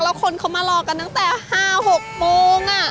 แล้วคนเขามารอกันตั้งแต่๕๖โมง